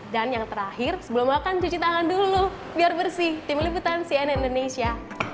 dan yang terakhir sebelum makan cuci tangan dulu biar bersih tim liputan cn indonesia